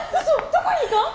どこにいた？